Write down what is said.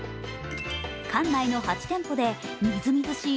館内の８店舗でみずみずしい